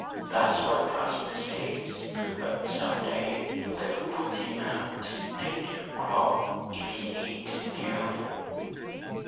"That's what 'Rast says. But some day they'll put him out, neck and crop, if he ain't careful."